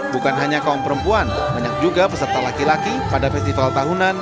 bukan hanya kaum perempuan banyak juga peserta laki laki pada festival tahunan